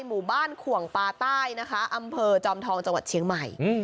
หมู่บ้านขวงปลาใต้นะคะอำเภอจอมทองจังหวัดเชียงใหม่